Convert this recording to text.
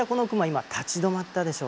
今立ち止まったでしょ？